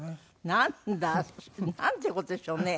なんだ。なんて事でしょうね。